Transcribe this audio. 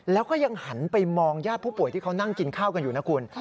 แล้วก็ยังหันไปมองญาติผู้ป่วยที่เขานั่งกินข้าวกันอยู่นะคุณ